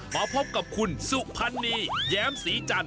มาพบกับคุณสุภัณฑ์นีแย้มศรีจัน